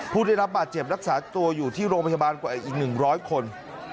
ผู้ได้รับบาดเจ็บรักษาตัวอยู่ที่โรงพยาบาลกว่าอีก๑๐๐คน